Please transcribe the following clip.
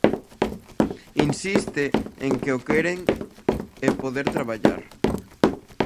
Insiste en que o queren é poder traballar.